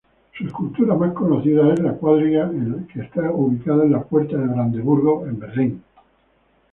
Su escultura más conocida es la Cuadriga en la Puerta de Brandeburgo en Berlín.